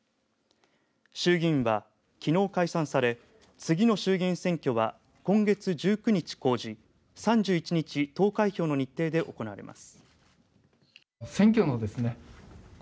衆議院は、きのう解散され次の衆議院選挙は今月１９日公示３１日投開票の日程で行われます。